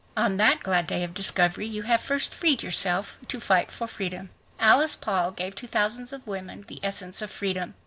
On that glad day of discovery you have first freed yourself to fight for freedom. Alice Paul gave to thousands of women the essence of freedom.